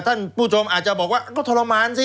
ท่านผู้ชมอาจจะบอกว่าก็ทรมานสิ